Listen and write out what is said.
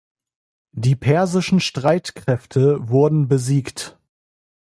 Die persischen Streitkräfte wurden besiegt.